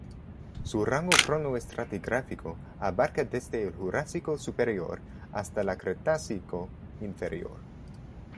Su rango cronoestratigráfico abarca desde el Jurásico superior hasta la Cretácico inferior.